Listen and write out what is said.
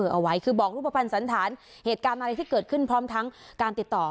เอาไว้คือบอกรูปภัณฑ์สันธารเหตุการณ์อะไรที่เกิดขึ้นพร้อมทั้งการติดต่อ